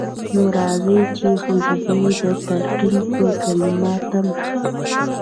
نو راځئ چې څو شېبې د تلقين پر کلمه تم شو.